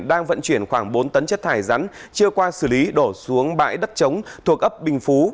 đang vận chuyển khoảng bốn tấn chất thải rắn chưa qua xử lý đổ xuống bãi đất chống thuộc ấp bình phú